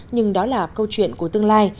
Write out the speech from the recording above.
nhưng đó là câu chuyện của tương lai